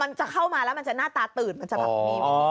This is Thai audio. มันจะเข้ามาแล้วมันจะหน้าตาตื่นมันจะแบบมีวิธี